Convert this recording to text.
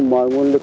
mọi nguồn lực